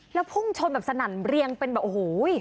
แล้วพุ่งชนแบบสนั่นเรียงเป็นแบบโอ้โห